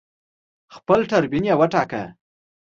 خپل ټربیون یې وټاکه